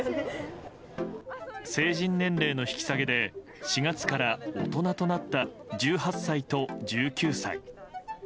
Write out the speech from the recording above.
成人年齢の引き下げで４月から大人となった１８歳と１９歳。